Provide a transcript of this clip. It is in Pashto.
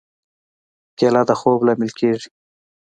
کېله د خوب لامل کېږي.